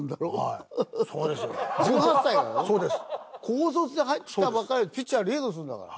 高卒で入ってきたばっかりのピッチャーがリードするんだから。